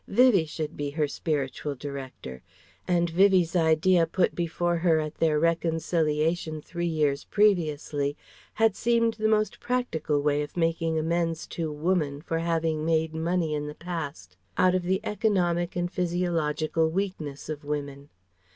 Vivie should be her spiritual director; and Vivie's idea put before her at their reconciliation three years previously had seemed the most practical way of making amends to Woman for having made money in the past out of the economic and physiological weakness of women.